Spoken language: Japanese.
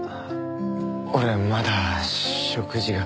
俺まだ食事が。